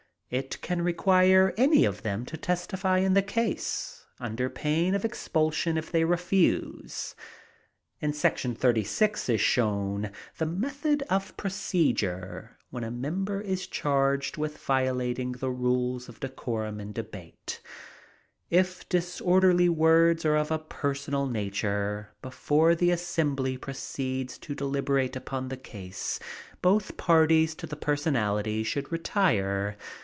It can require any of them to testify in the case, under pain of expulsion if they refuse. In § 36 is shown the method of procedure when a member is charged with violating the rules of decorum in debate. If the disorderly words are of a personal nature, before the assembly proceeds to deliberate upon the case, both parties to the personality should retire.